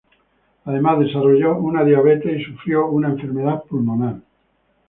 Además desarrolló una diabetes y sufrió una enfermedad pulmonar.